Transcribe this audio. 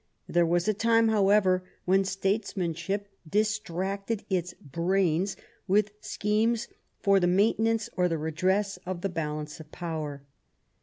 There was a time, however, when statesmanship dis tracted its brains with schemes for the maintenance, or the redress, of the balance of power.